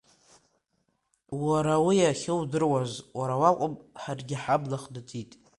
Уара уи ахьудыруаз, уара уакәым, ҳаргьы ҳабла хнатит.